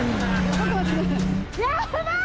ちょっと待ってくださいやばい！